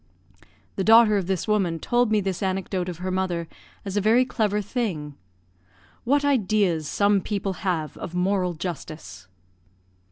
The daughter of this woman told me this anecdote of her mother as a very clever thing. What ideas some people have of moral justice!